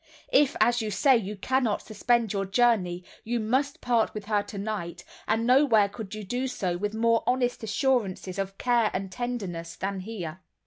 If, as you say, you cannot suspend your journey, you must part with her tonight, and nowhere could you do so with more honest assurances of care and tenderness than here."